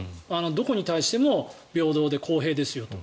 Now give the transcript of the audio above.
どこに対しても平等で公平ですよと。